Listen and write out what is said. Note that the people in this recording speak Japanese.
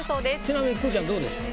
ちなみにくーちゃんどうですか？